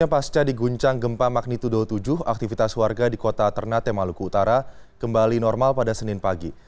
pasca diguncang gempa magnitudo tujuh aktivitas warga di kota ternate maluku utara kembali normal pada senin pagi